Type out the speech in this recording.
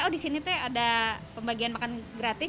oh di sini tuh ada pembagian makan gratis